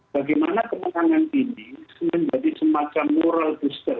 bagaimana kemenangan ini menjadi semacam moral booster